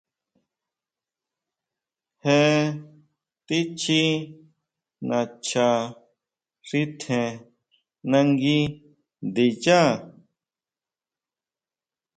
Je tichí nacha xi tjen nangui ndiyá.